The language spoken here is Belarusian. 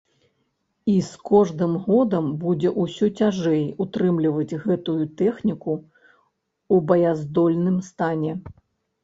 І з кожным годам будзе ўсё цяжэй утрымліваць гэтую тэхніку ў баяздольным стане.